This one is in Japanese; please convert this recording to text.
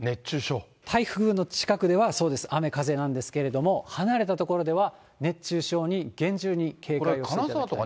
台風の近くではそうです、雨、風なんですけども、離れた所では、熱中症に厳重に警戒をしてください。